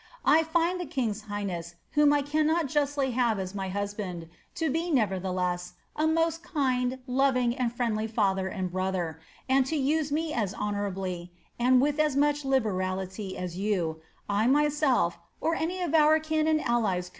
I find the king's highness, whom I cannot justly have as my husband, to be, nevertheletii a most kind, loving and friendly father aitd brother, and to use me as honourably, and with as much liberality, as you, I myself, or any of our kin or allies.